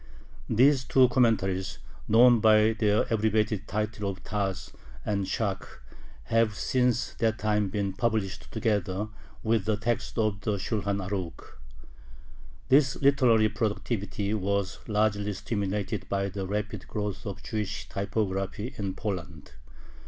These two commentaries, known by their abbreviated titles of TaZ and ShaK, have since that time been published together with the text of the Shulhan Arukh. This literary productivity was largely stimulated by the rapid growth of Jewish typography in Poland.